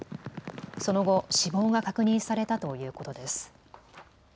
その後、死亡が確認されたということです。